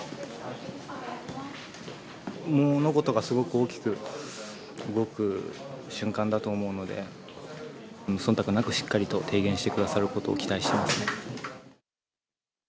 物事がすごく大きく動く瞬間だと思うので、そんたくなくしっかりと提言してくださることを期待してますね。